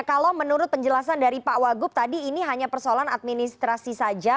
kalau menurut penjelasan dari pak wagub tadi ini hanya persoalan administrasi saja